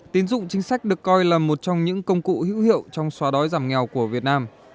tín dụng chính sách được coi là một trong những công cụ hữu hiệu trong xóa đói giảm nghèo của việt nam